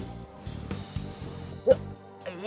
kamu jangan ganggu anak saya lagi